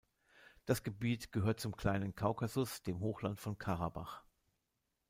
Das Gebiet gehört zum Kleinen Kaukasus, dem Hochland von Karabach.